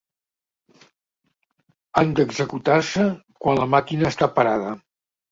Han d'executar-se quan la màquina està parada.